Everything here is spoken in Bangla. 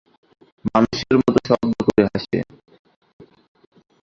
মানুষের মতো শব্দ করে হাসে।